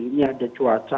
ini ada cuaca ini ada